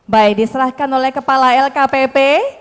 baik diserahkan oleh kepala lkpp